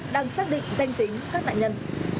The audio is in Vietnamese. đang xác định danh tính các nạn nhân